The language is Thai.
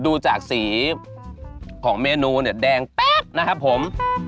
ดูจากสีของเมนูเนี่ยแดงแป๊บนะครับผม